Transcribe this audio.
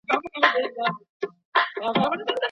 چيري د ځوانانو د سالمي روزني، او نوو څیزونو د زده کړي کیږي؟